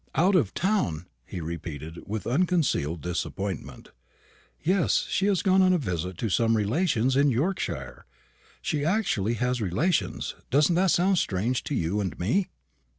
"Out of town!" he repeated with unconcealed disappointment. "Yes; she has gone on a visit to some relations in Yorkshire. She actually has relations; doesn't that sound strange to you and me?"